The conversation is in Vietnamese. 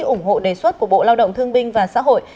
ủng hộ đề xuất của bộ lao động thương binh và xã hội